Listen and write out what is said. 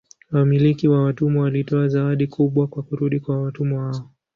Wamiliki wa watumwa walitoa zawadi kubwa kwa kurudi kwa watumwa wao.